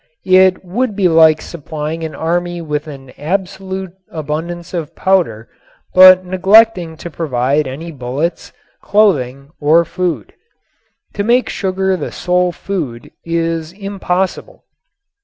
It would be like supplying an army with an abundance of powder but neglecting to provide any bullets, clothing or food. To make sugar the sole food is impossible.